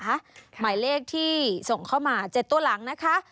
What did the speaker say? หมายเลขที่ส่งเข้ามา๗ตัวหลังนะคะ